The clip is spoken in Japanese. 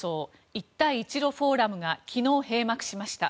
一帯一路フォーラムが昨日、閉幕しました。